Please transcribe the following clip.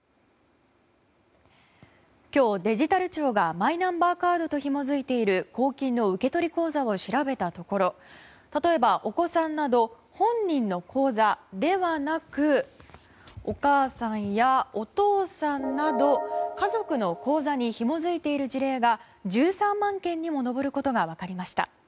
今日、デジタル庁がマイナンバーカードとひも付いている公金の受取口座を調べたところ例えば、お子さんなど本人の口座ではなくお母さんや、お父さんなど家族の口座にひも付いている事例が１３万件にも上ることが分かりました。